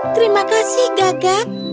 terima kasih gagak